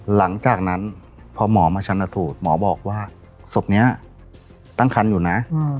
หลังจากนั้นพอหมอมาชันสูตรหมอบอกว่าศพนี้ตั้งคันอยู่นะ